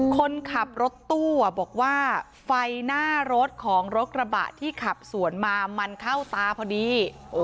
คนขับรถตู้บอกว่าไฟหน้ารถของรถกระบะที่ขับสวนมามันเข้าตาพอดี